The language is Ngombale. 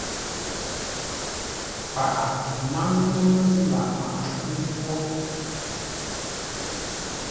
Paghʼə náŋtə́ məzʉ̂ lâʼ maghʼə njwó: